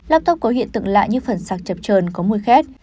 laptok có hiện tượng lạ như phần sạc chập trờn có mùi khét